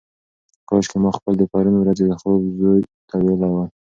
کاشکي ما خپل د پرون ورځې خوب زوی ته ویلی وای.